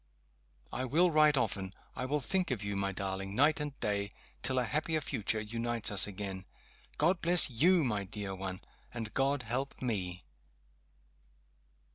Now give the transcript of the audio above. I will write often I will think of you, my darling, night and day, till a happier future unites us again. God bless you, my dear one! And God help _me!